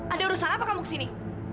ada urusan apa kamu kesini